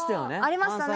ありましたね